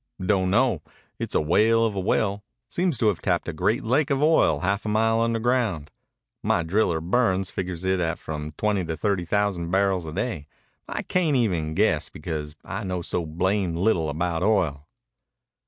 "Don't know. It's a whale of a well. Seems to have tapped a great lake of oil half a mile underground. My driller Burns figures it at from twenty to thirty thousand barrels a day. I cayn't even guess, because I know so blamed little about oil."